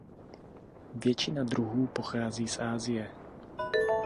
Většina druhů pochází z Asie.